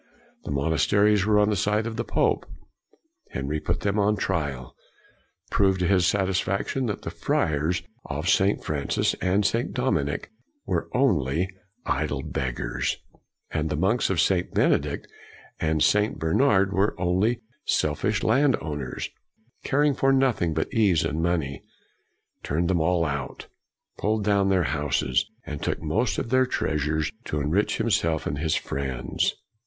The monasteries were on the side of the pope. Henry put them on trial; proved to his satisfaction that the friars of St. Francis and St. Dominic were only idle beggars, and the monks of St. Benedict and St. Bernard were only selfish landowners, caring for nothing but ease and money; turned them all out, pulled down their houses, and took most of their treasures to enrich him self and his friends.